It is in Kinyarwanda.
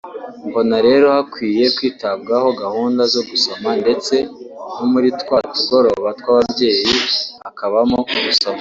Mbona rero hakwiye kwitabwaho gahunda zo gusoma ndetse no muri twa tugoroba tw’ababyeyi hakabamo gusoma